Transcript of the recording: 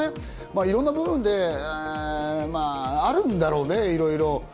いろんな部分であるんだろうね、いろいろ。